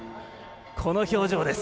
この表情です。